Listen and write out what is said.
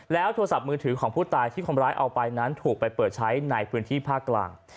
โทรศัพท์มือถือของผู้ตายที่คนร้ายเอาไปนั้นถูกไปเปิดใช้ในพื้นที่ภาคกลาง